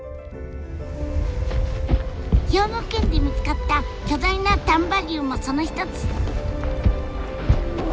兵庫県で見つかった巨大な丹波竜もその一つ。